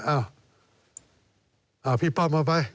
เอ้าเอาพี่ป้อมมาไป